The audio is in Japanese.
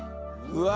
うわ。